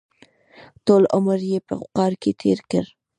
ټول عمر یې په وقار کې تېر کړی.